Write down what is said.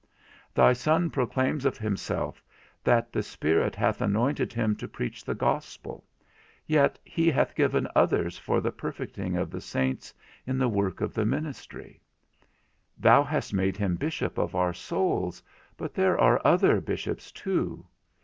Thy Son proclaims of himself that the Spirit hath anointed him to preach the Gospel, yet he hath given others for the perfecting of the saints in the work of the ministry. Thou hast made him Bishop of our souls, but there are others bishops too.